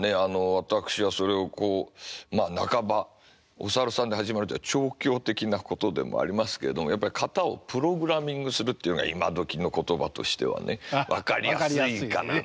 私はそれをこうまあ半ばお猿さんで始まるっていうのは調教的なことでもありますけどもやっぱり型をプログラミングするっていうのが今どきの言葉としてはね分かりやすいかななんて。